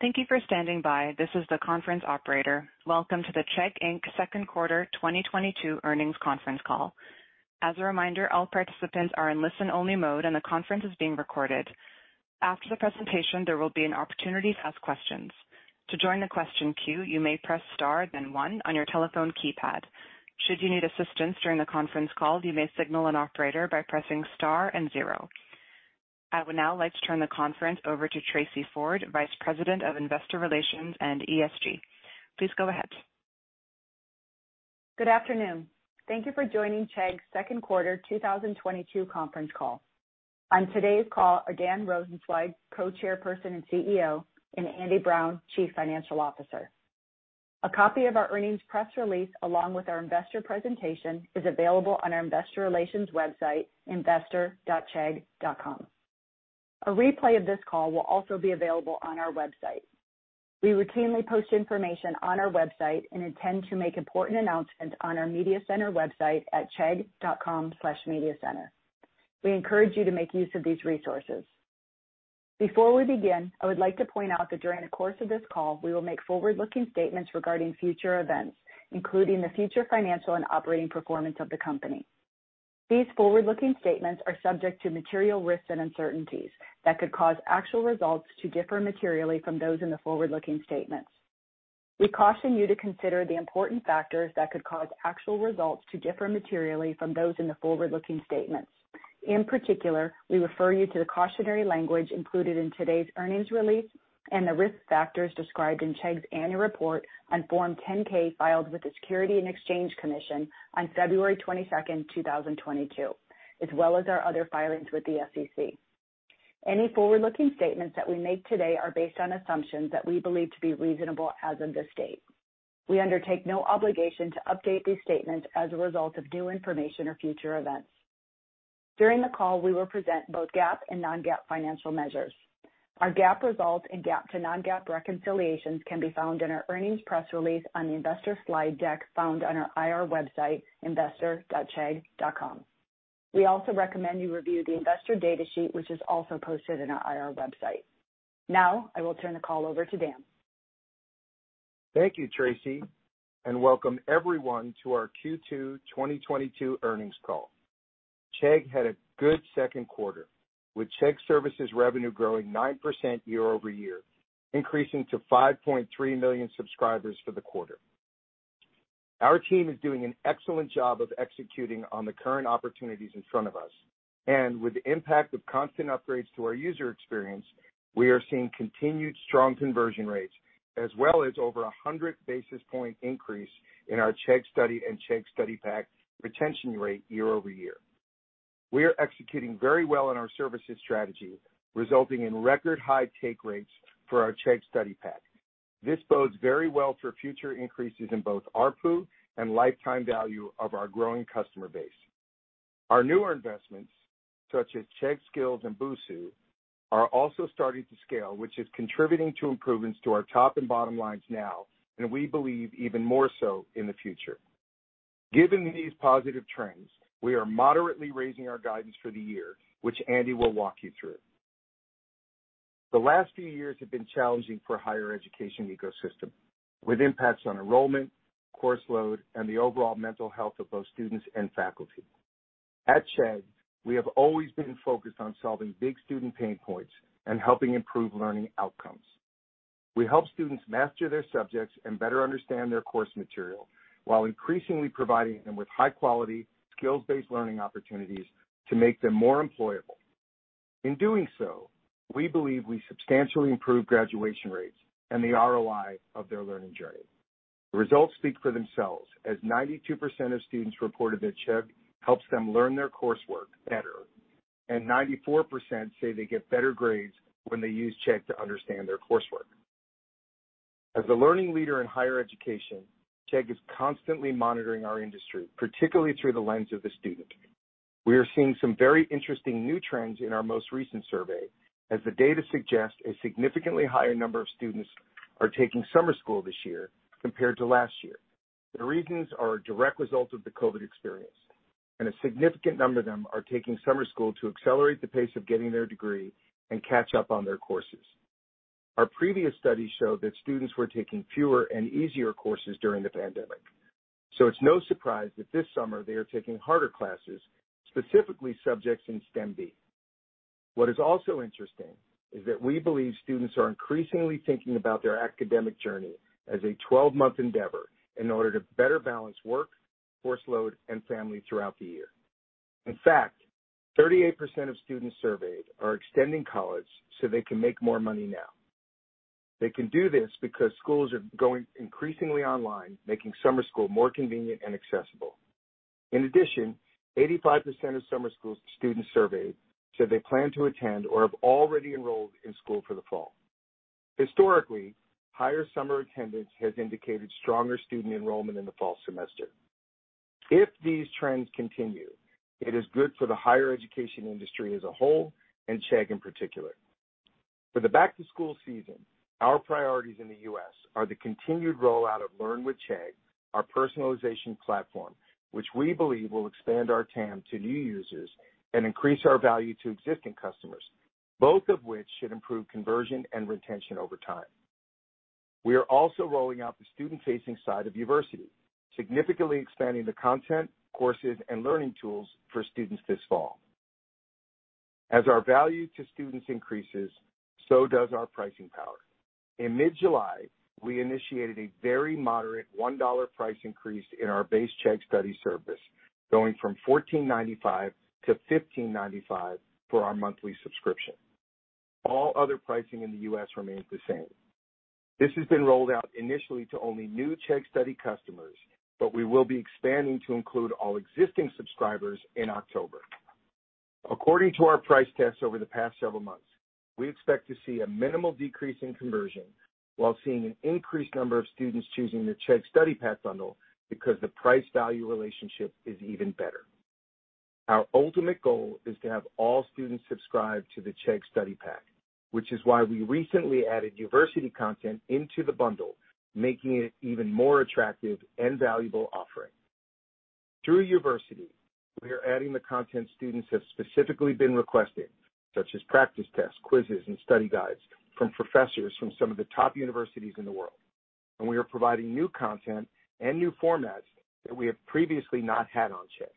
Thank you for standing by. This is the conference operator. Welcome to the Chegg, Inc.'s second quarter 2022 earnings conference call. As a reminder, all participants are in listen-only mode, and the conference is being recorded. After the presentation, there will be an opportunity to ask questions. To join the question queue, you may press star then one on your telephone keypad. Should you need assistance during the conference call, you may signal an operator by pressing star and zero. I would now like to turn the conference over to Tracey Ford, Vice President of Investor Relations and ESG. Please go ahead. Good afternoon. Thank you for joining Chegg's second quarter 2022 conference call. On today's call are Dan Rosensweig, Co-chairperson and CEO, and Andy Brown, Chief Financial Officer. A copy of our earnings press release, along with our investor presentation, is available on our investor relations website, investor.chegg.com. A replay of this call will also be available on our website. We routinely post information on our website and intend to make important announcements on our Media Center website at chegg.com/mediacenter. We encourage you to make use of these resources. Before we begin, I would like to point out that during the course of this call, we will make forward-looking statements regarding future events, including the future financial and operating performance of the company. These forward-looking statements are subject to material risks and uncertainties that could cause actual results to differ materially from those in the forward-looking statements. We caution you to consider the important factors that could cause actual results to differ materially from those in the forward-looking statements. In particular, we refer you to the cautionary language included in today's earnings release and the risk factors described in Chegg's annual report on Form 10-K filed with the Securities and Exchange Commission on February 22nd, 2022, as well as our other filings with the SEC. Any forward-looking statements that we make today are based on assumptions that we believe to be reasonable as of this date. We undertake no obligation to update these statements as a result of new information or future events. During the call, we will present both GAAP and non-GAAP financial measures. Our GAAP results and GAAP to non-GAAP reconciliations can be found in our earnings press release on the investor slide deck found on our IR website, investor.chegg.com. We also recommend you review the investor data sheet, which is also posted on our IR website. Now, I will turn the call over to Dan Rosensweig. Thank you, Tracey, and welcome everyone to our Q2 2022 earnings call. Chegg had a good second quarter, with Chegg Services revenue growing 9% year-over-year, increasing to 5.3 million subscribers for the quarter. Our team is doing an excellent job of executing on the current opportunities in front of us, and with the impact of constant upgrades to our user experience, we are seeing continued strong conversion rates as well as over 100 basis point increase in our Chegg Study and Chegg Study Pack retention rate year-over-year. We are executing very well on our services strategy, resulting in record-high take rates for our Chegg Study Pack. This bodes very well for future increases in both ARPU and lifetime value of our growing customer base. Our newer investments, such as Chegg Skills and Busuu, are also starting to scale, which is contributing to improvements to our top and bottom lines now, and we believe even more so in the future. Given these positive trends, we are moderately raising our guidance for the year, which Andy will walk you through. The last few years have been challenging for higher education ecosystem, with impacts on enrollment, course load, and the overall mental health of both students and faculty. At Chegg, we have always been focused on solving big student pain points and helping improve learning outcomes. We help students master their subjects and better understand their course material while increasingly providing them with high-quality, skills-based learning opportunities to make them more employable. In doing so, we believe we substantially improve graduation rates and the ROI of their learning journey. The results speak for themselves, as 92% of students reported that Chegg helps them learn their coursework better, and 94% say they get better grades when they use Chegg to understand their coursework. As the learning leader in higher education, Chegg is constantly monitoring our industry, particularly through the lens of the student. We are seeing some very interesting new trends in our most recent survey, as the data suggests a significantly higher number of students are taking summer school this year compared to last year. The reasons are a direct result of the COVID experience, and a significant number of them are taking summer school to accelerate the pace of getting their degree and catch up on their courses. Our previous studies showed that students were taking fewer and easier courses during the pandemic. It's no surprise that this summer they are taking harder classes, specifically subjects in STEM. What is also interesting is that we believe students are increasingly thinking about their academic journey as a 12-month endeavor in order to better balance work, course load, and family throughout the year. In fact, 38% of students surveyed are extending college so they can make more money now. They can do this because schools are going increasingly online, making summer school more convenient and accessible. In addition, 85% of summer school students surveyed said they plan to attend or have already enrolled in school for the fall. Historically, higher summer attendance has indicated stronger student enrollment in the fall semester. If these trends continue, it is good for the higher education industry as a whole and Chegg in particular. For the back-to-school season, our priorities in the U.S. are the continued rollout of Learn With Chegg, our personalization platform, which we believe will expand our TAM to new users and increase our value to existing customers, both of which should improve conversion and retention over time. We are also rolling out the student-facing side of Uversity, significantly expanding the content, courses, and learning tools for students this fall. As our value to students increases, so does our pricing power. In mid-July, we initiated a very moderate $1 price increase in our base Chegg Study service, going from $14.95 to $15.95 for our monthly subscription. All other pricing in the U.S. remains the same. This has been rolled out initially to only new Chegg Study customers, but we will be expanding to include all existing subscribers in October. According to our price tests over the past several months, we expect to see a minimal decrease in conversion while seeing an increased number of students choosing the Chegg Study Pack bundle because the price value relationship is even better. Our ultimate goal is to have all students subscribe to the Chegg Study Pack, which is why we recently added Uversity content into the bundle, making it even more attractive and valuable offering. Through Uversity, we are adding the content students have specifically been requesting, such as practice tests, quizzes, and study guides from professors from some of the top universities in the world, and we are providing new content and new formats that we have previously not had on Chegg.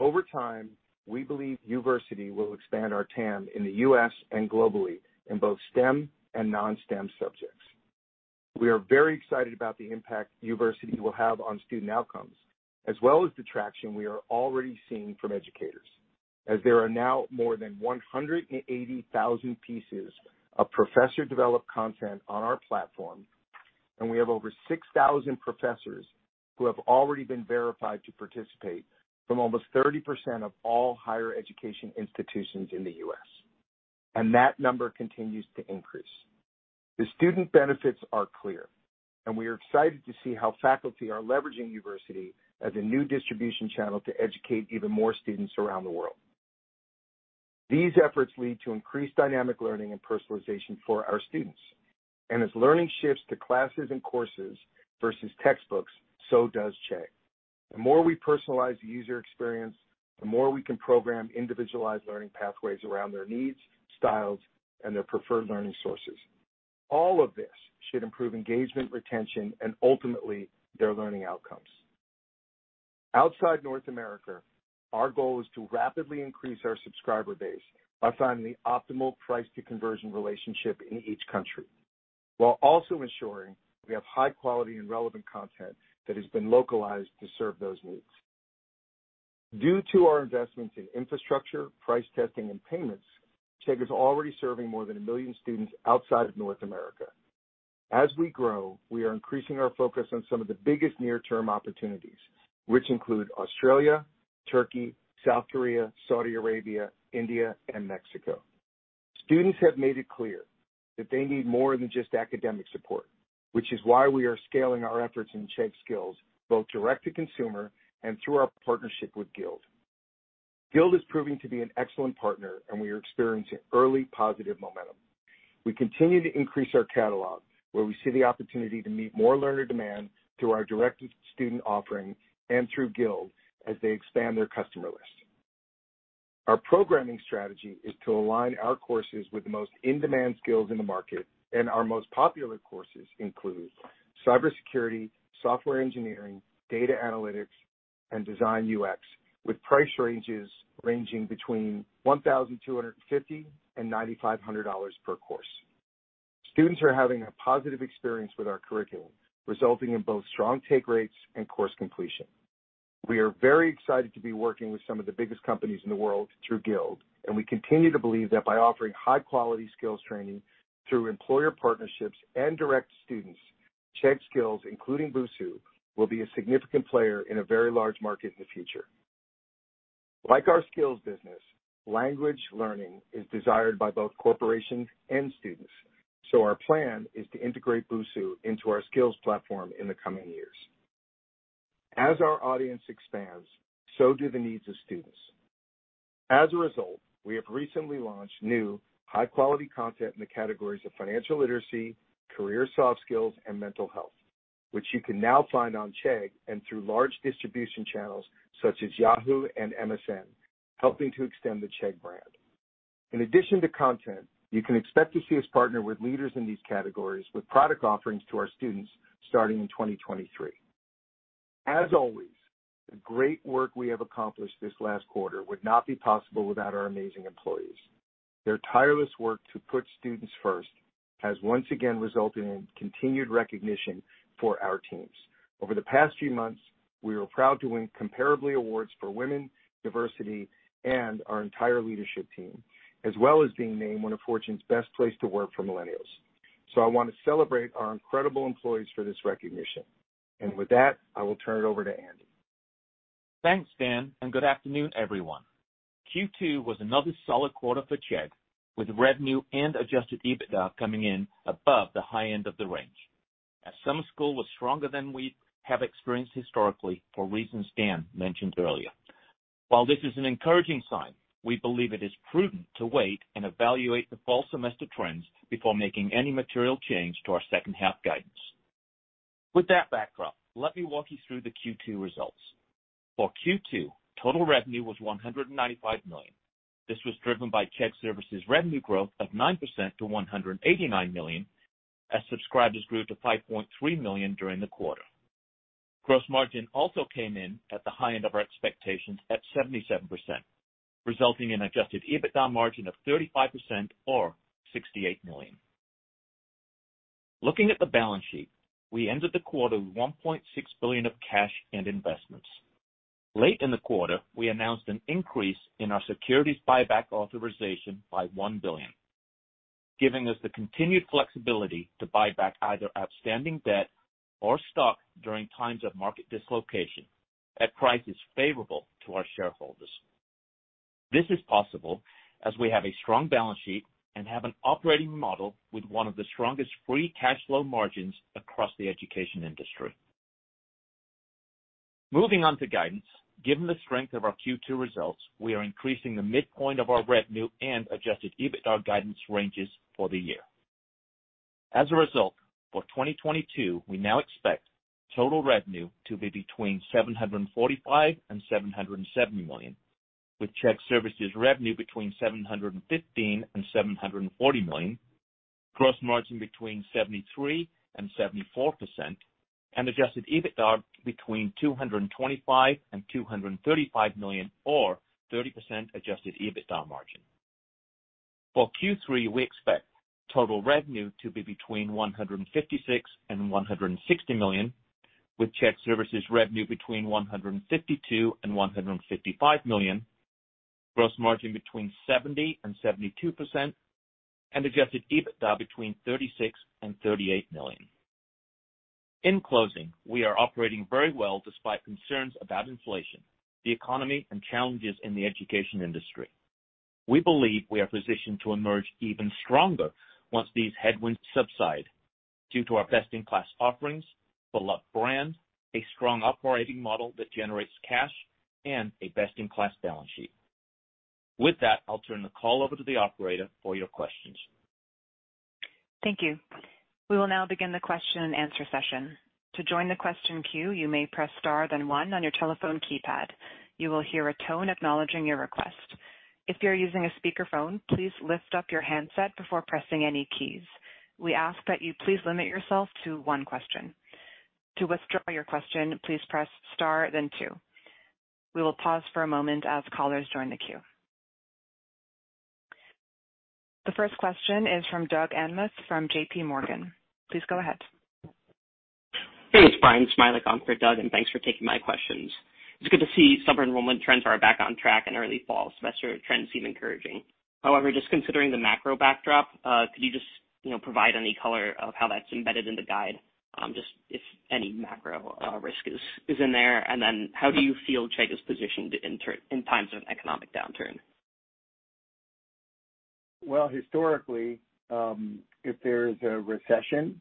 Over time, we believe Uversity will expand our TAM in the U.S. and globally in both STEM and non-STEM subjects. We are very excited about the impact Uversity will have on student outcomes, as well as the traction we are already seeing from educators, as there are now more than 180,000 pieces of professor-developed content on our platform, and we have over 6,000 professors who have already been verified to participate from almost 30% of all higher education institutions in the U.S. That number continues to increase. The student benefits are clear, and we are excited to see how faculty are leveraging Uversity as a new distribution channel to educate even more students around the world. These efforts lead to increased dynamic learning and personalization for our students. As learning shifts to classes and courses versus textbooks, so does Chegg. The more we personalize the user experience, the more we can program individualized learning pathways around their needs, styles, and their preferred learning sources. All of this should improve engagement, retention, and ultimately, their learning outcomes. Outside North America, our goal is to rapidly increase our subscriber base by finding the optimal price to conversion relationship in each country, while also ensuring we have high quality and relevant content that has been localized to serve those needs. Due to our investments in infrastructure, price testing, and payments, Chegg is already serving more than 1 million students outside of North America. As we grow, we are increasing our focus on some of the biggest near-term opportunities, which include Australia, Turkey, South Korea, Saudi Arabia, India, and Mexico. Students have made it clear that they need more than just academic support, which is why we are scaling our efforts in Chegg Skills, both direct to consumer and through our partnership with Guild. Guild is proving to be an excellent partner, and we are experiencing early positive momentum. We continue to increase our catalog, where we see the opportunity to meet more learner demand through our direct to student offering and through Guild as they expand their customer list. Our programming strategy is to align our courses with the most in-demand skills in the market, and our most popular courses include cybersecurity, software engineering, data analytics, and design UX, with price ranges ranging between $1,250 and $9,500 per course. Students are having a positive experience with our curriculum, resulting in both strong take rates and course completion. We are very excited to be working with some of the biggest companies in the world through Guild, and we continue to believe that by offering high-quality skills training through employer partnerships and direct to students, Chegg Skills, including Busuu, will be a significant player in a very large market in the future. Like our skills business, language learning is desired by both corporations and students, so our plan is to integrate Busuu into our skills platform in the coming years. As our audience expands, so do the needs of students. As a result, we have recently launched new high-quality content in the categories of financial literacy, career soft skills, and mental health, which you can now find on Chegg and through large distribution channels such as Yahoo and MSN, helping to extend the Chegg brand. In addition to content, you can expect to see us partner with leaders in these categories with product offerings to our students starting in 2023. As always, the great work we have accomplished this last quarter would not be possible without our amazing employees. Their tireless work to put students first has once again resulted in continued recognition for our teams. Over the past few months, we were proud to win Comparably awards for winning, diversity, and our entire leadership team, as well as being named one of Fortune's best place to work for millennials. I want to celebrate our incredible employees for this recognition. With that, I will turn it over to Andy. Thanks, Dan, and good afternoon, everyone. Q2 was another solid quarter for Chegg, with revenue and Adjusted EBITDA coming in above the high end of the range. Summer school was stronger than we have experienced historically for reasons Dan mentioned earlier. While this is an encouraging sign, we believe it is prudent to wait and evaluate the fall semester trends before making any material change to our second half guidance. With that backdrop, let me walk you through the Q2 results. For Q2, total revenue was $195 million. This was driven by Chegg Services revenue growth of 9% to $189 million as subscribers grew to 5.3 million during the quarter. Gross margin also came in at the high end of our expectations at 77%, resulting in adjusted EBITDA margin of 35% or $68 million. Looking at the balance sheet, we ended the quarter $1.6 billion of cash and investments. Late in the quarter, we announced an increase in our securities buyback authorization by $1 billion, giving us the continued flexibility to buy back either outstanding debt or stock during times of market dislocation at prices favorable to our shareholders. This is possible as we have a strong balance sheet and have an operating model with one of the strongest free cash flow margins across the education industry. Moving on to guidance. Given the strength of our Q2 results, we are increasing the midpoint of our revenue and Adjusted EBITDA guidance ranges for the year. As a result, for 2022, we now expect total revenue to be between $745 million and $770 million, with Chegg Services revenue between $715 million and $740 million, gross margin between 73% and 74% and Adjusted EBITDA between $225 million and $235 million or 30% Adjusted EBITDA margin. For Q3, we expect total revenue to be between $156 million and $160 million, with Chegg Services revenue between $152 million and $155 million, gross margin between 70% and 72% and Adjusted EBITDA between $36 million and $38 million. In closing, we are operating very well despite concerns about inflation, the economy, and challenges in the education industry. We believe we are positioned to emerge even stronger once these headwinds subside due to our best in class offerings, beloved brand, a strong operating model that generates cash and a best in class balance sheet. With that, I'll turn the call over to the operator for your questions. Thank you. We will now begin the question and answer session. To join the question queue, you may press star then one on your telephone keypad. You will hear a tone acknowledging your request. If you're using a speakerphone, please lift up your handset before pressing any keys. We ask that you please limit yourself to one question. To withdraw your question, please press star then two. We will pause for a moment as callers join the queue. The first question is from Doug Anmuth from JPMorgan. Please go ahead. Hey, it's Bryan Smilek covering for Doug, and thanks for taking my questions. It's good to see summer enrollment trends are back on track and early fall semester trends seem encouraging. However, just considering the macro backdrop, could you just, you know, provide any color on how that's embedded in the guide? Just if any macro risk is in there. Then how do you feel Chegg is positioned to weather in times of economic downturn? Well, historically, if there's a recession,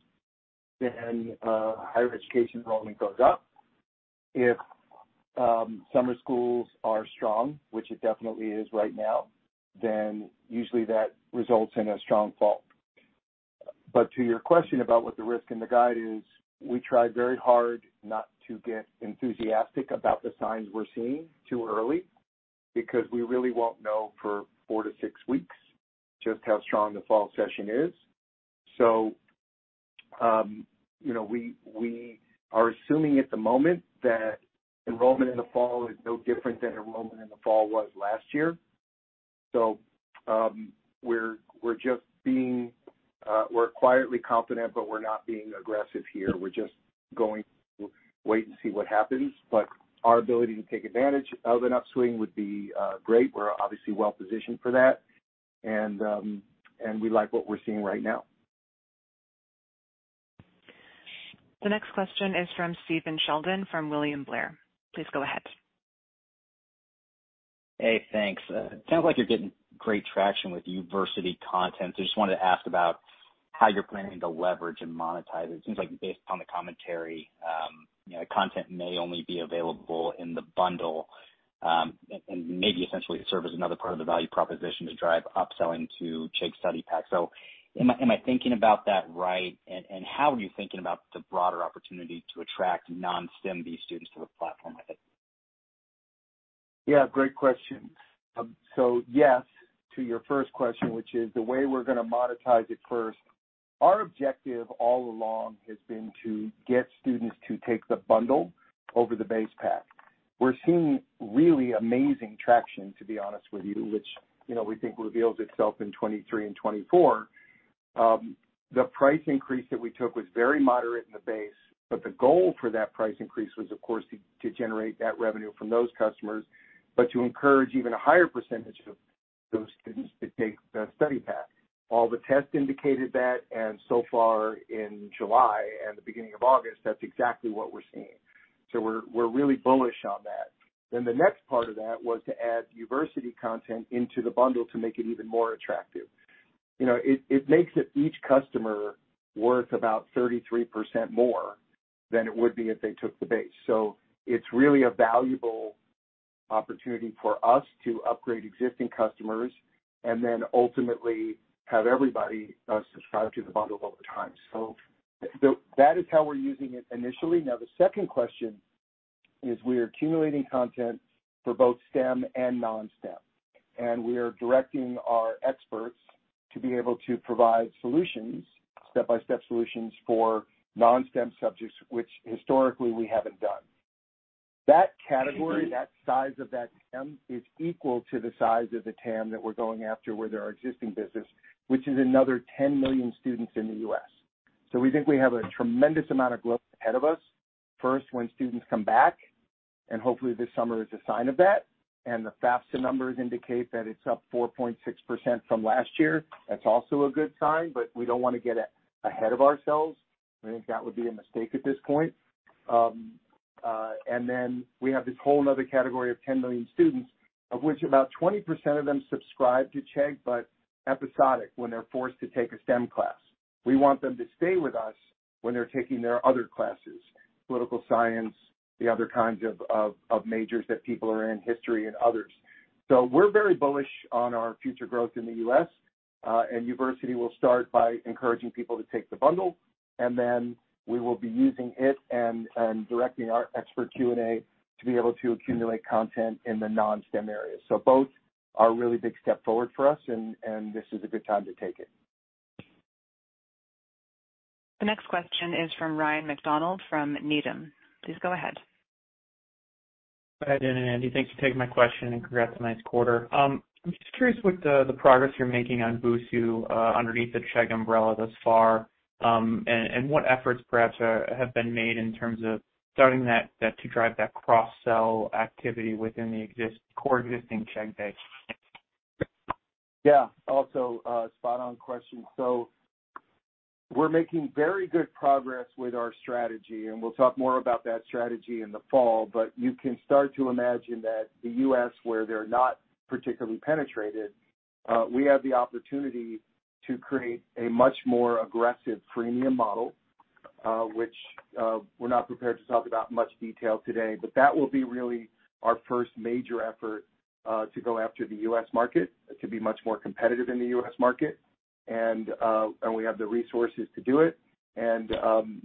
then higher education enrollment goes up. If summer schools are strong, which it definitely is right now, then usually that results in a strong fall. To your question about what the risk in the guide is, we try very hard not to get enthusiastic about the signs we're seeing too early because we really won't know for 4-6 weeks just how strong the fall session is. You know, we are assuming at the moment that enrollment in the fall is no different than enrollment in the fall was last year. We're just being quietly confident, but we're not being aggressive here. We're just going to wait and see what happens. Our ability to take advantage of an upswing would be great. We're obviously well positioned for that and we like what we're seeing right now. The next question is from Stephen Sheldon from William Blair. Please go ahead. Hey, thanks. It sounds like you're getting great traction with Uversity content. Just wanted to ask about how you're planning to leverage and monetize it. It seems like based on the commentary, you know, the content may only be available in the bundle, and maybe essentially serve as another part of the value proposition to drive upselling to Chegg Study Pack. Am I thinking about that right? How are you thinking about the broader opportunity to attract non-STEM students to the platform? Yeah, great question. Yes to your first question, which is the way we're gonna monetize it first. Our objective all along has been to get students to take the bundle over the base pack. We're seeing really amazing traction, to be honest with you, which, you know, we think reveals itself in 2023 and 2024. The price increase that we took was very moderate in the base, but the goal for that price increase was of course to generate that revenue from those customers. To encourage even a higher percentage of those students to take the study pack. All the tests indicated that and so far in July and the beginning of August, that's exactly what we're seeing. We're really bullish on that. The next part of that was to add Uversity content into the bundle to make it even more attractive. You know, it makes it each customer worth about 33% more than it would be if they took the base. It's really a valuable Opportunity for us to upgrade existing customers and then ultimately have everybody subscribe to the bundle over time. That is how we're using it initially. Now the second question is we are accumulating content for both STEM and non-STEM, and we are directing our experts to be able to provide solutions, step-by-step solutions for non-STEM subjects, which historically we haven't done. That category, that size of that TAM is equal to the size of the TAM that we're going after where there are existing business, which is another 10 million students in the U.S. We think we have a tremendous amount of growth ahead of us. First, when students come back, and hopefully this summer is a sign of that, and the FAFSA numbers indicate that it's up 4.6% from last year. That's also a good sign, but we don't wanna get ahead of ourselves. I think that would be a mistake at this point. We have this whole another category of 10 million students, of which about 20% of them subscribe to Chegg, but episodic when they're forced to take a STEM class. We want them to stay with us when they're taking their other classes, political science, the other kinds of majors that people are in, history and others. We're very bullish on our future growth in the U.S., and Uversity will start by encouraging people to take the bundle, and then we will be using it and directing our expert Q&A to be able to accumulate content in the non-STEM areas. Both are a really big step forward for us, and this is a good time to take it. The next question is from Ryan Macdonald from Needham. Please go ahead. Hi Dan and Andy. Thanks for taking my question, and congrats on a nice quarter. I'm just curious what the progress you're making on Busuu underneath the Chegg umbrella thus far, and what efforts perhaps have been made in terms of starting that to drive that cross-sell activity within the existing Chegg base? Yeah. Also, spot on question. We're making very good progress with our strategy, and we'll talk more about that strategy in the fall, but you can start to imagine that the U.S., where they're not particularly penetrated, we have the opportunity to create a much more aggressive freemium model, which, we're not prepared to talk about in much detail today. That will be really our first major effort, to go after the U.S. market. It could be much more competitive in the U.S. market, and we have the resources to do it. You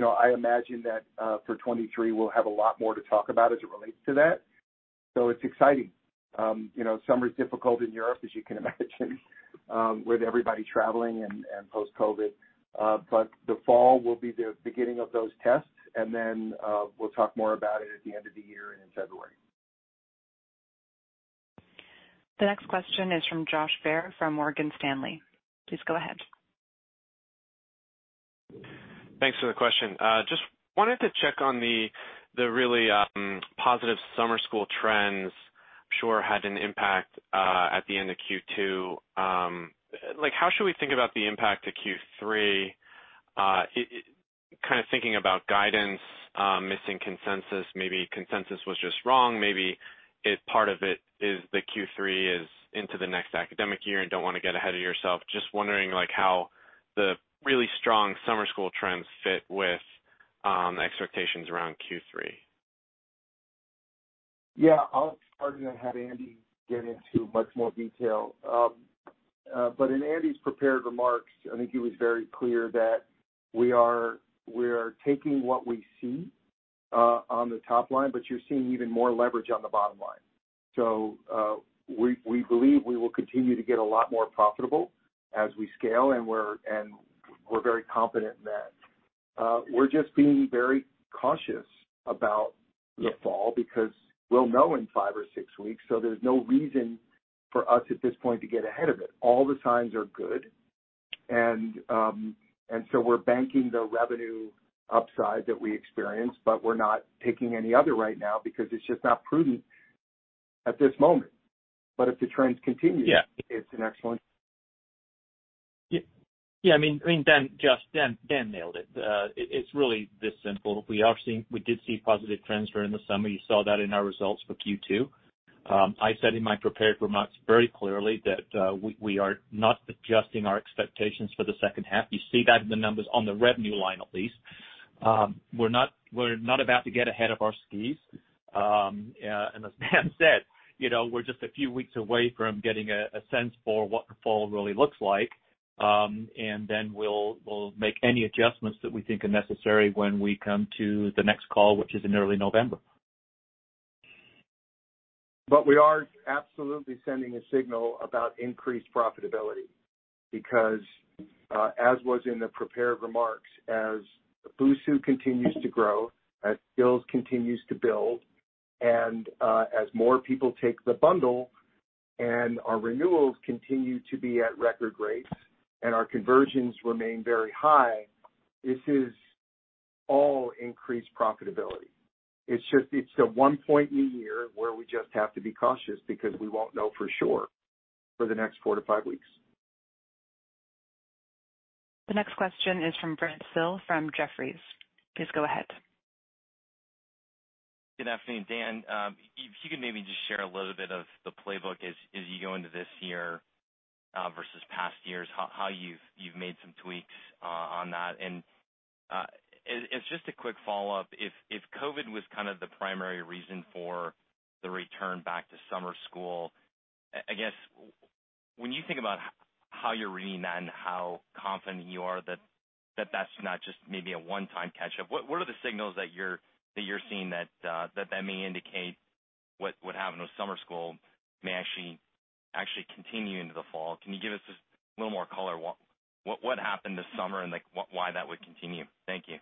know, I imagine that, for 2023 we'll have a lot more to talk about as it relates to that. It's exciting. You know, summer's difficult in Europe, as you can imagine, with everybody traveling and post-COVID. The fall will be the beginning of those tests, and then we'll talk more about it at the end of the year and in February. The next question is from Josh Baer from Morgan Stanley. Please go ahead. Thanks for the question. Just wanted to check on the really positive summer school trends. Sure had an impact at the end of Q2. Like, how should we think about the impact to Q3? Kind of thinking about guidance missing consensus, maybe consensus was just wrong. Maybe if part of it is that Q3 is into the next academic year and don't wanna get ahead of yourself. Just wondering, like, how the really strong summer school trends fit with expectations around Q3. Yeah. I'll start and then have Andy get into much more detail. In Andy's prepared remarks, I think he was very clear that we are taking what we see on the top line, but you're seeing even more leverage on the bottom line. We believe we will continue to get a lot more profitable as we scale, and we're very confident in that. We're just being very cautious about the fall because we'll know in five or six weeks, so there's no reason for us at this point to get ahead of it. All the signs are good and so we're banking the revenue upside that we experienced, but we're not taking any other right now because it's just not prudent at this moment. If the trends continue- Yeah It's an excellent. Yeah, I mean, Dan, Josh, Dan nailed it. It's really this simple. We did see positive trends during the summer. You saw that in our results for Q2. I said in my prepared remarks very clearly that we are not adjusting our expectations for the second half. You see that in the numbers on the revenue line at least. We're not about to get ahead of our skis. As Dan said, you know, we're just a few weeks away from getting a sense for what the fall really looks like. Then we'll make any adjustments that we think are necessary when we come to the next call, which is in early November. We are absolutely sending a signal about increased profitability because, as was in the prepared remarks, as Busuu continues to grow, as skills continues to build, and, as more people take the bundle and our renewals continue to be at record rates and our conversions remain very high, this is all increased profitability. It's just, it's the one point in the year where we just have to be cautious because we won't know for sure for the next 4-5 weeks. The next question is from Brent Thill from Jefferies. Please go ahead. Good afternoon, Dan. If you could maybe just share a little bit of the playbook as you go into this year. Versus past years, how you've made some tweaks on that. Just a quick follow-up. If COVID was kind of the primary reason for the return back to summer school, I guess when you think about how you're reading that and how confident you are that that's not just maybe a one-time catch-up, what are the signals that you're seeing that may indicate what happened with summer school may actually continue into the fall? Can you give us just a little more color what happened this summer and, like, why that would continue? Thank you.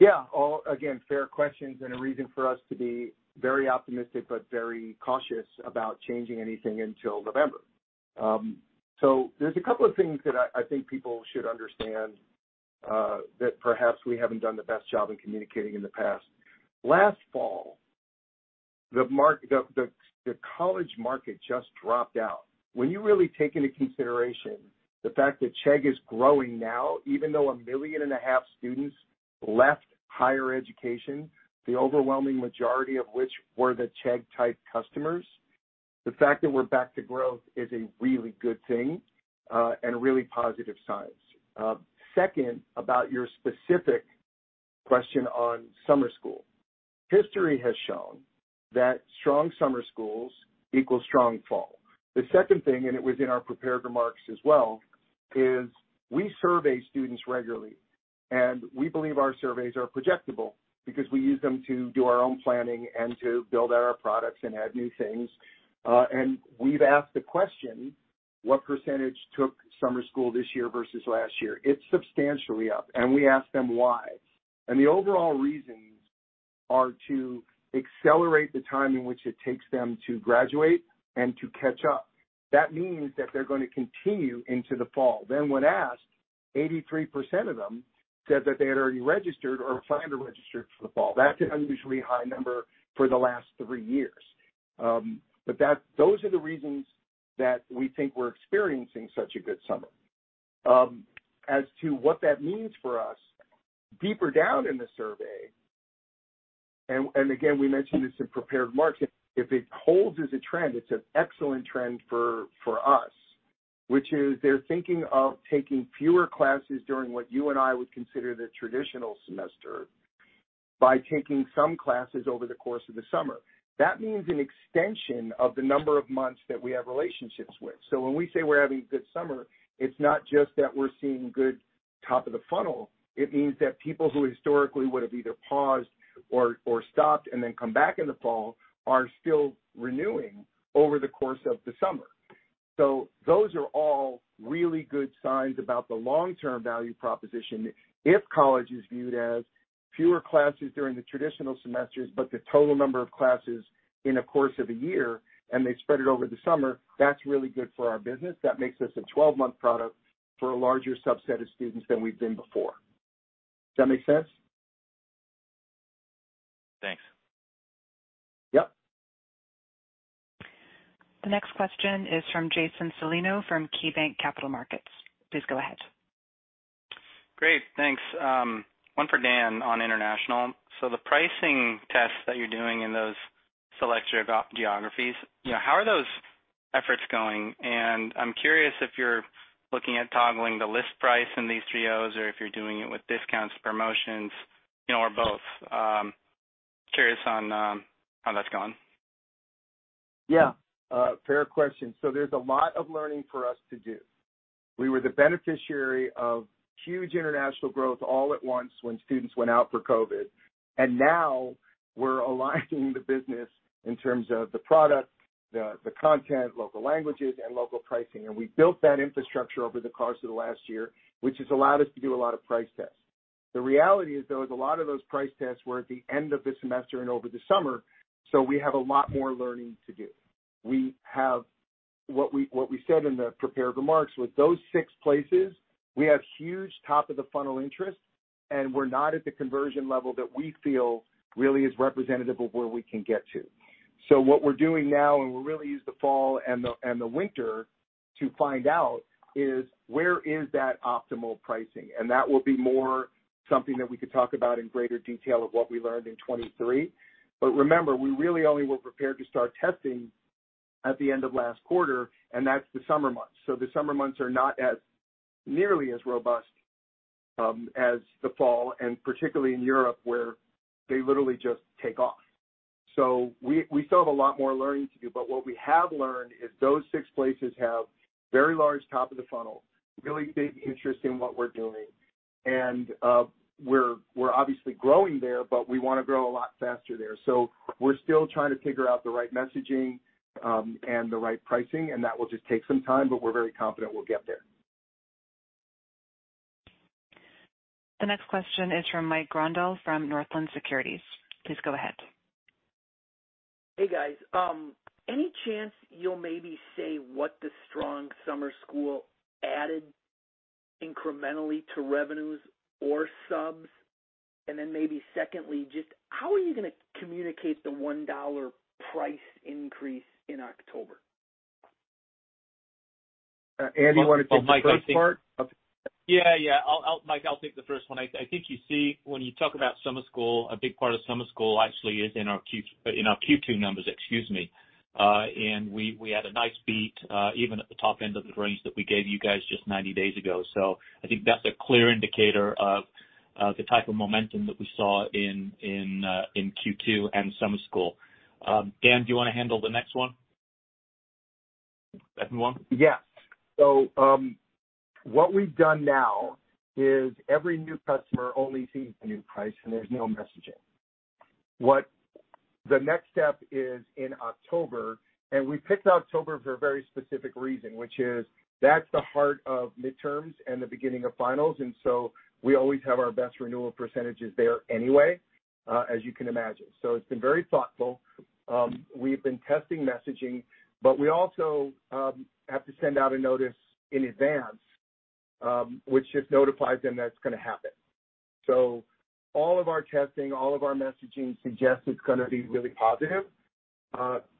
Yeah. All, again, fair questions and a reason for us to be very optimistic but very cautious about changing anything until November. So there's a couple of things that I think people should understand that perhaps we haven't done the best job in communicating in the past. Last fall, the college market just dropped out. When you really take into consideration the fact that Chegg is growing now, even though 1.5 million students left higher education, the overwhelming majority of which were the Chegg-type customers, the fact that we're back to growth is a really good thing and a really positive signs. Second, about your specific question on summer school. History has shown that strong summer schools equals strong fall. The second thing, and it was in our prepared remarks as well, is we survey students regularly. We believe our surveys are projectable because we use them to do our own planning and to build out our products and add new things. We've asked the question, "What percentage took summer school this year versus last year?" It's substantially up, and we ask them why. The overall reasons are to accelerate the time in which it takes them to graduate and to catch up. That means that they're gonna continue into the fall. When asked, 83% of them said that they had already registered or planned to register for the fall. That's an unusually high number for the last three years. Those are the reasons that we think we're experiencing such a good summer. As to what that means for us, deeper down in the survey, and again, we mentioned this in prepared remarks, if it holds as a trend, it's an excellent trend for us, which is they're thinking of taking fewer classes during what you and I would consider the traditional semester by taking some classes over the course of the summer. That means an extension of the number of months that we have relationships with. When we say we're having a good summer, it's not just that we're seeing good top of the funnel. It means that people who historically would have either paused or stopped and then come back in the fall are still renewing over the course of the summer. Those are all really good signs about the long-term value proposition if college is viewed as fewer classes during the traditional semesters, but the total number of classes in a course of a year, and they spread it over the summer, that's really good for our business. That makes us a 12-month product for a larger subset of students than we've been before. Does that make sense? Thanks. Yep. The next question is from Jason Celino from KeyBanc Capital Markets. Please go ahead. Great. Thanks. One for Dan on international. The pricing tests that you're doing in those select geographies, you know, how are those efforts going? And I'm curious if you're looking at toggling the list price in these geos or if you're doing it with discounts, promotions, you know, or both. Curious on how that's going. Yeah. Fair question. There's a lot of learning for us to do. We were the beneficiary of huge international growth all at once when students went out for COVID. Now we're aligning the business in terms of the product, the content, local languages, and local pricing. We built that infrastructure over the course of the last year, which has allowed us to do a lot of price tests. The reality is, though, a lot of those price tests were at the end of the semester and over the summer, so we have a lot more learning to do. We have what we said in the prepared remarks, with those six places, we have huge top of the funnel interest, and we're not at the conversion level that we feel really is representative of where we can get to. What we're doing now, and we'll really use the fall and the winter to find out, is where that optimal pricing is. That will be more something that we could talk about in greater detail of what we learned in 2023. Remember, we really only were prepared to start testing at the end of last quarter, and that's the summer months. The summer months are not nearly as robust as the fall, and particularly in Europe, where they literally just take off. We still have a lot more learning to do, but what we have learned is those six places have very large top of the funnel, really big interest in what we're doing. We're obviously growing there, but we wanna grow a lot faster there. We're still trying to figure out the right messaging, and the right pricing, and that will just take some time, but we're very confident we'll get there. The next question is from Mike Grondahl from Northland Securities. Please go ahead. Hey, guys. Any chance you'll maybe say what the strong summer school added incrementally to revenues or subs? Maybe secondly, just how are you gonna communicate the $1 price increase in October? Andy, you wanna take the first part? Yeah, yeah. Mike, I'll take the first one. I think you see when you talk about summer school, a big part of summer school actually is in our Q2 numbers, excuse me. We had a nice beat, even at the top end of the range that we gave you guys just 90 days ago. I think that's a clear indicator of the type of momentum that we saw in Q2 and summer school. Dan, do you wanna handle the next one? Second one? Yeah. What we've done now is every new customer only sees the new price, and there's no messaging. What the next step is in October, and we picked October for a very specific reason, which is that's the heart of midterms and the beginning of finals, and we always have our best renewal percentages there anyway, as you can imagine. It's been very thoughtful. We've been testing messaging, but we also have to send out a notice in advance, which just notifies them that it's gonna happen. All of our testing, all of our messaging suggests it's gonna be really positive.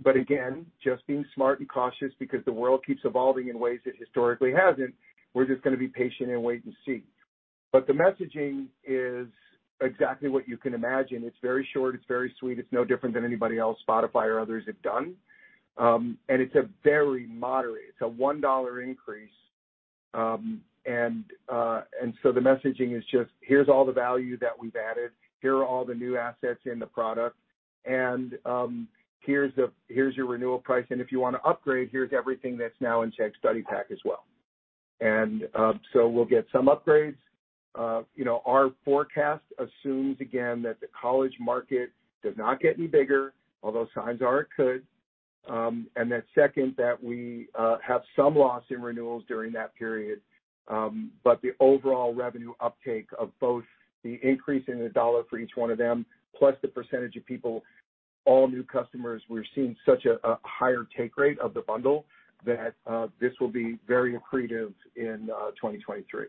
Again, just being smart and cautious because the world keeps evolving in ways it historically hasn't, we're just gonna be patient and wait and see. The messaging is exactly what you can imagine. It's very short. It's very sweet. It's no different than anybody else, Spotify or others have done. It's a very moderate $1 increase. The messaging is just, "Here's all the value that we've added. Here are all the new assets in the product. Here's your renewal price. And if you wanna upgrade, here's everything that's now in Chegg Study Pack as well." We'll get some upgrades. You know, our forecast assumes again that the college market does not get any bigger, although signs are it could. Second, that we have some loss in renewals during that period. The overall revenue uptake of both the increase in the $1 for each one of them, plus the percentage of people, all new customers, we're seeing such a higher take rate of the bundle that this will be very accretive in 2023.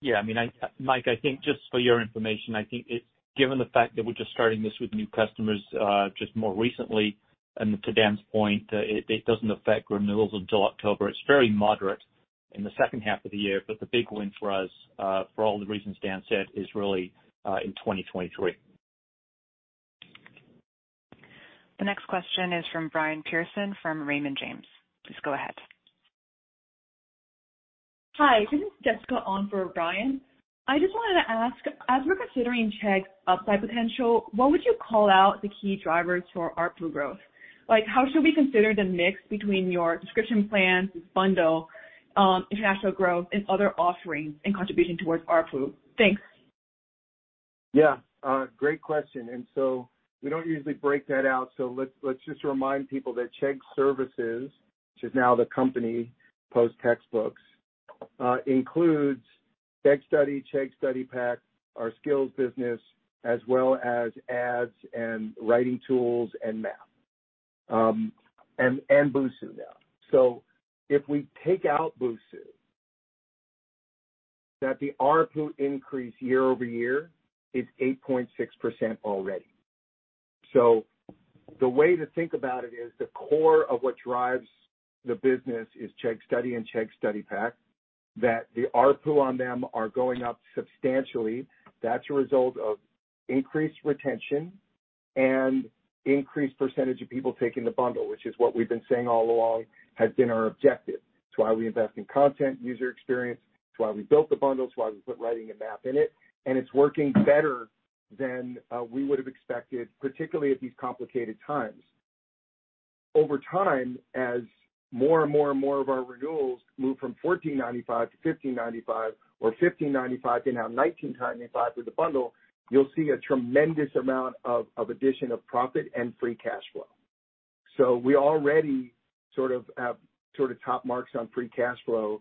Yeah. I mean, Mike, I think just for your information, I think it's given the fact that we're just starting this with new customers just more recently, and to Dan's point, it doesn't affect renewals until October. It's very moderate in the second half of the year, but the big win for us, for all the reasons Dan said, is really in 2023. The next question is from Brian Peterson from Raymond James. Please go ahead. Hi. This is Jessica on for Brian. I just wanted to ask, as we're considering Chegg's upside potential, what would you call out the key drivers for ARPU growth? Like, how should we consider the mix between your subscription plans, bundle, international growth and other offerings and contribution towards ARPU? Thanks. Yeah. Great question. We don't usually break that out, so let's just remind people that Chegg Services, which is now the company post textbooks, includes Chegg Study, Chegg Study Pack, our skills business, as well as ads and writing tools and math, and Busuu now. If we take out Busuu, that the ARPU increase year-over-year is 8.6% already. The way to think about it is the core of what drives the business is Chegg Study and Chegg Study Pack, that the ARPU on them are going up substantially. That's a result of increased retention and increased percentage of people taking the bundle, which is what we've been saying all along has been our objective. It's why we invest in content, user experience. It's why we built the bundle. It's why we put writing and math in it. It's working better than we would have expected, particularly at these complicated times. Over time, as more and more of our renewals move from $14.95 to $15.95 or $15.95 to now $19.95 with the bundle, you'll see a tremendous amount of addition of profit and free cash flow. We already sort of have top marks on free cash flow,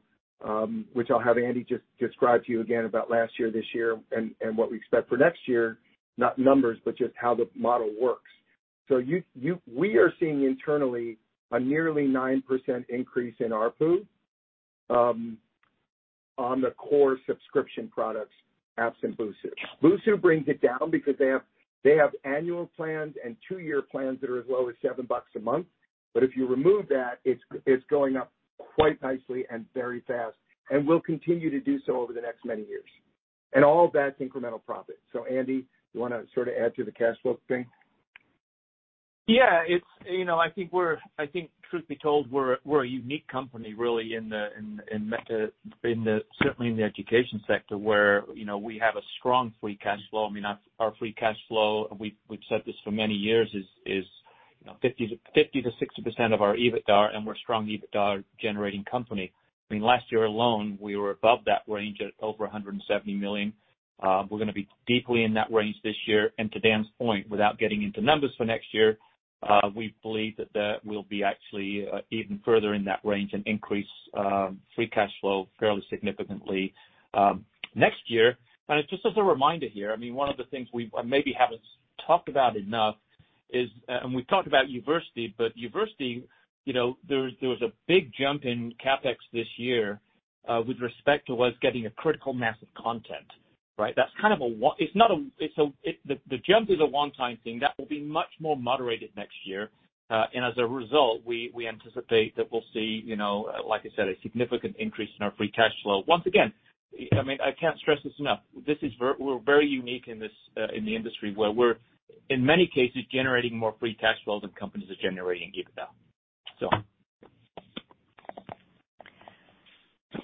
which I'll have Andy just describe to you again about last year, this year and what we expect for next year, not numbers, but just how the model works. We are seeing internally a nearly 9% increase in ARPU on the core subscription products absent Busuu. Busuu brings it down because they have annual plans and two-year plans that are as low as $7 a month. If you remove that, it's going up quite nicely and very fast, and will continue to do so over the next many years. All of that's incremental profit. Andy, you wanna sort of add to the cash flow thing? Yeah. It's, you know, I think truth be told, we're a unique company really in the certainly in the education sector where, you know, we have a strong free cash flow. I mean, our free cash flow, we've said this for many years is, you know, 50%-60% of our EBITDA, and we're a strong EBITDA-generating company. I mean, last year alone, we were above that range at over $170 million. We're gonna be deeply in that range this year. To Dan's point, without getting into numbers for next year, we believe that that will be actually even further in that range and increase free cash flow fairly significantly next year. Just as a reminder here, I mean, one of the things we maybe haven't talked about enough is, and we've talked about Uversity, but Uversity, you know, there was a big jump in CapEx this year, with respect to us getting a critical mass of content. Right? That's kind of a one-time thing. It's not a one-time thing. The jump is a one-time thing. That will be much more moderated next year. As a result, we anticipate that we'll see, you know, like I said, a significant increase in our free cash flow. Once again, I mean, I can't stress this enough. This is. We're very unique in this, in the industry, where we're, in many cases, generating more free cash flow than companies are generating EBITDA.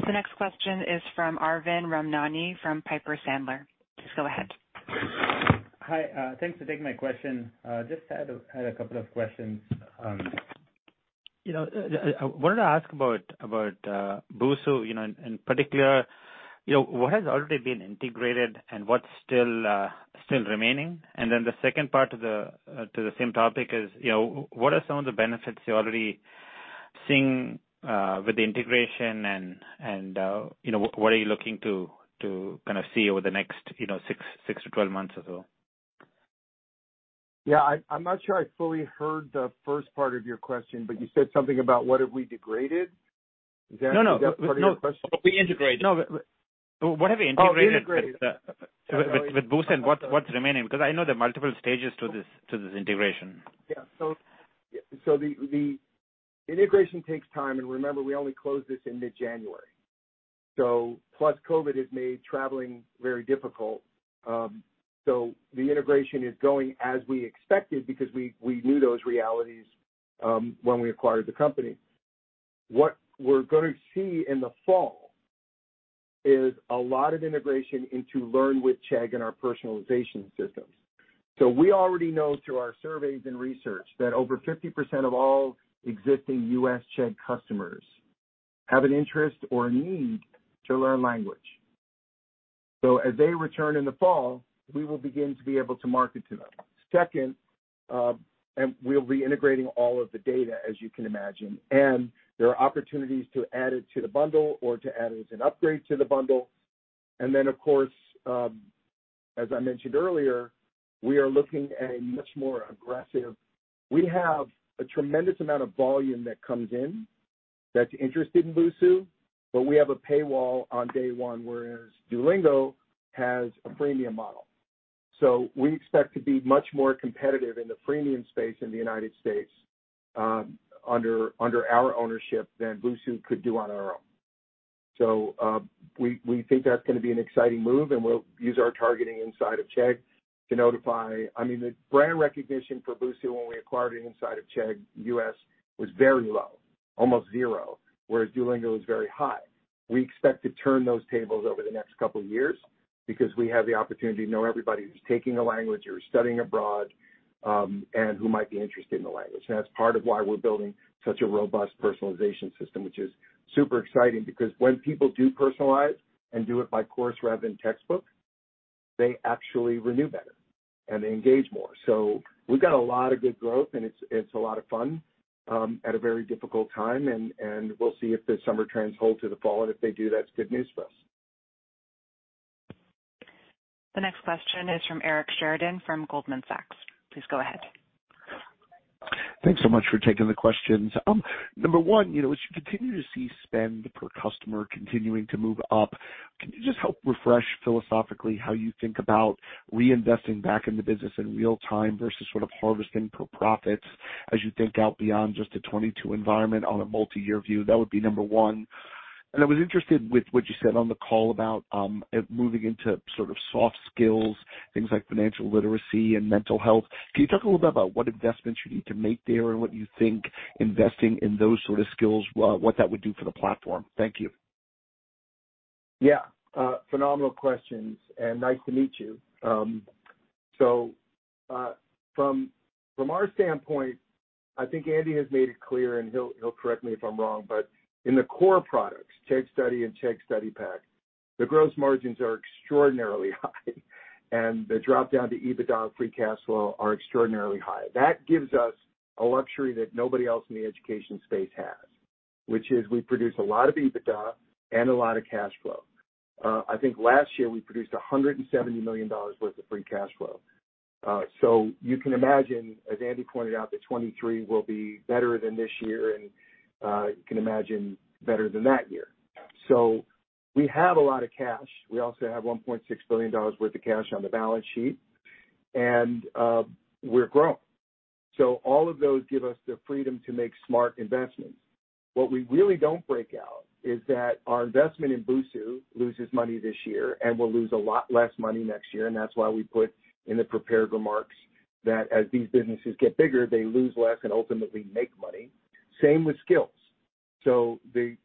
The next question is from Arvind Ramnani from Piper Sandler. Please go ahead. Hi, thanks for taking my question. Just had a couple of questions. You know, I wanted to ask about Busuu, you know, in particular, you know, what has already been integrated and what's still remaining? Then the second part to the same topic is, you know, what are some of the benefits you're already seeing with the integration and, you know, what are you looking to kind of see over the next six months or so? Yeah. I'm not sure I fully heard the first part of your question, but you said something about what have we degraded? Is that- No. Is that part of your question? No, we integrated. No. What have you integrated- Oh, integrated. with Busuu and what's remaining? Because I know there are multiple stages to this integration. Yeah, the integration takes time. Remember, we only closed this in mid-January. Plus COVID has made traveling very difficult. The integration is going as we expected because we knew those realities when we acquired the company. What we're gonna see in the fall is a lot of integration into Learn With Chegg and our personalization systems. We already know through our surveys and research that over 50% of all existing U.S. Chegg customers have an interest or a need to learn language. As they return in the fall, we will begin to be able to market to them. Second, we'll be integrating all of the data, as you can imagine. There are opportunities to add it to the bundle or to add it as an upgrade to the bundle. Then of course, as I mentioned earlier, we are looking at investing more aggressively. We have a tremendous amount of volume that comes in that's interested in Busuu, but we have a paywall on day one, whereas Duolingo has a freemium model. We expect to be much more competitive in the freemium space in the United States under our ownership than Busuu could do on our own. We think that's gonna be an exciting move, and we'll use our targeting inside of Chegg to notify. I mean, the brand recognition for Busuu when we acquired it inside of Chegg U.S. was very low, almost zero, whereas Duolingo was very high. We expect to turn those tables over the next couple of years because we have the opportunity to know everybody who's taking a language or studying abroad, and who might be interested in the language. That's part of why we're building such a robust personalization system, which is super exciting, because when people do personalize and do it by course rather than textbook, they actually renew better and they engage more. We've got a lot of good growth, and it's a lot of fun at a very difficult time, and we'll see if the summer trends hold to the fall. If they do, that's good news for us. The next question is from Eric Sheridan from Goldman Sachs. Please go ahead. Thanks so much for taking the questions. Number one, you know, as you continue to see spend per customer continuing to move up, can you just help refresh philosophically how you think about reinvesting back in the business in real time versus sort of harvesting for profits as you think out beyond just the 2022 environment on a multi-year view? That would be number one. I was interested with what you said on the call about moving into sort of soft skills, things like financial literacy and mental health. Can you talk a little bit about what investments you need to make there and what you think investing in those sort of skills, what that would do for the platform? Thank you. Yeah, phenomenal questions, and nice to meet you. So, from our standpoint, I think Andy has made it clear, and he'll correct me if I'm wrong, but in the core products, Chegg Study and Chegg Study Pack, the gross margins are extraordinarily high, and the dropdown to EBITDA and free cash flow are extraordinarily high. That gives us a luxury that nobody else in the education space has, which is we produce a lot of EBITDA and a lot of cash flow. I think last year we produced $170 million worth of free cash flow. You can imagine, as Andy pointed out, that 2023 will be better than this year, and you can imagine better than that year. We have a lot of cash. We also have $1.6 billion worth of cash on the balance sheet, and we're growing. All of those give us the freedom to make smart investments. What we really don't break out is that our investment in Busuu loses money this year and will lose a lot less money next year. That's why we put in the prepared remarks that as these businesses get bigger, they lose less and ultimately make money. Same with Skills. The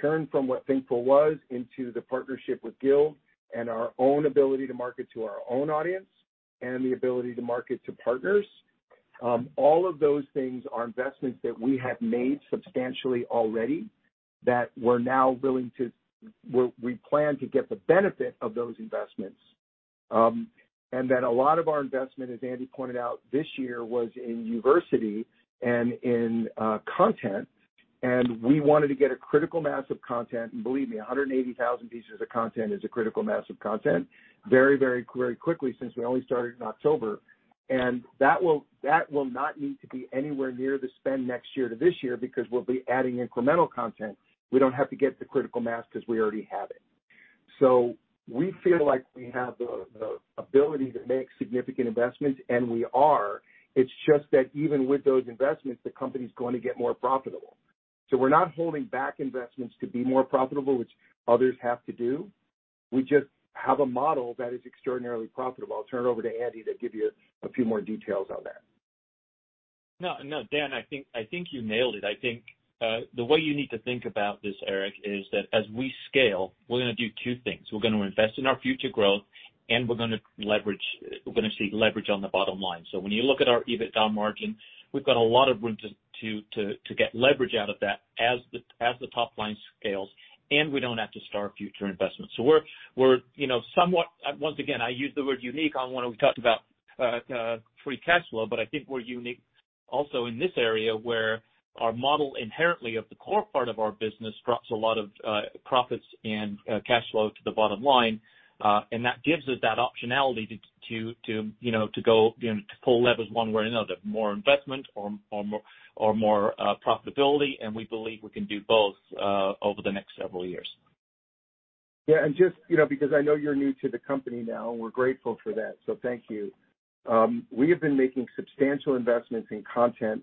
turn from what Thinkful was into the partnership with Guild and our own ability to market to our own audience and the ability to market to partners, all of those things are investments that we have made substantially already that we plan to get the benefit of those investments. A lot of our investment, as Andy pointed out this year, was in Uversity and in content, and we wanted to get a critical mass of content. Believe me, 180,000 pieces of content is a critical mass of content very, very, very quickly since we only started in October. That will not need to be anywhere near the spend next year to this year because we'll be adding incremental content. We don't have to get the critical mass because we already have it. We feel like we have the ability to make significant investments, and we are. It's just that even with those investments, the company's going to get more profitable. We're not holding back investments to be more profitable, which others have to do. We just have a model that is extraordinarily profitable. I'll turn it over to Andy to give you a few more details on that. No, no, Dan, I think you nailed it. I think the way you need to think about this, Eric, is that as we scale, we're gonna do two things. We're gonna invest in our future growth, and we're gonna see leverage on the bottom line. When you look at our EBITDA margin, we've got a lot of room to get leverage out of that as the top line scales, and we don't have to start future investments. We're you know somewhat once again I use the word unique on when we talked about free cash flow, but I think we're unique also in this area where our model inherently of the core part of our business drops a lot of profits and cash flow to the bottom line. That gives us that optionality to you know to go you know to pull levers one way or another, more investment or more profitability. We believe we can do both over the next several years. Yeah. Just, you know, because I know you're new to the company now, and we're grateful for that, so thank you. We have been making substantial investments in content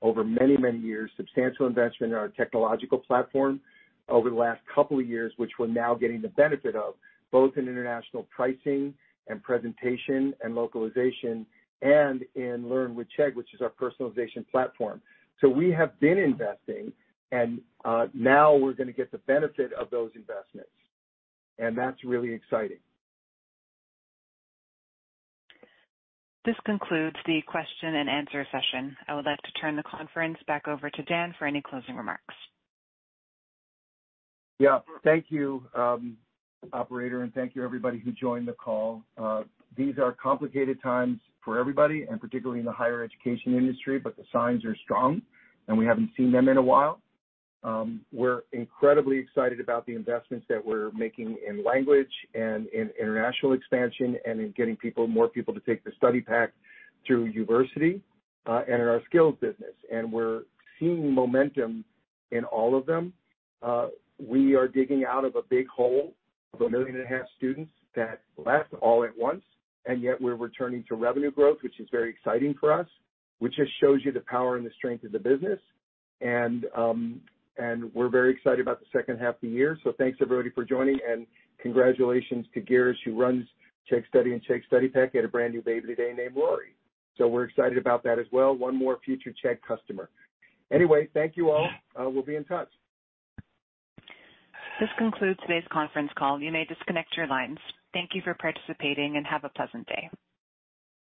over many, many years, substantial investment in our technological platform over the last couple of years, which we're now getting the benefit of both in international pricing and presentation and localization and in Learn with Chegg, which is our personalization platform. We have been investing and, now we're gonna get the benefit of those investments. That's really exciting. This concludes the question and answer session. I would like to turn the conference back over to Dan for any closing remarks. Yeah. Thank you, operator, and thank you everybody who joined the call. These are complicated times for everybody and particularly in the higher education industry, but the signs are strong, and we haven't seen them in a while. We're incredibly excited about the investments that we're making in language and in international expansion and in getting people, more people to take the Study Pack through Uversity, and in our skills business. We're seeing momentum in all of them. We are digging out of a big hole of 1.5 million students that left all at once, and yet we're returning to revenue growth, which is very exciting for us, which just shows you the power and the strength of the business. We're very excited about the second half of the year. Thanks everybody for joining, and congratulations to Girish, who runs Chegg Study and Chegg Study Pack. He had a brand-new baby today named Laurie. We're excited about that as well. One more future Chegg customer. Anyway, thank you all. We'll be in touch. This concludes today's conference call. You may disconnect your lines. Thank you for participating and have a pleasant day.